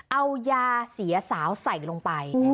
เอายาเสียสาวใส่ลงไป